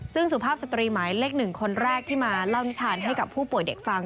ซึ่งสุภาพสตรีหมายเลข๑คนแรกที่มาเล่านิทานให้กับผู้ป่วยเด็กฟัง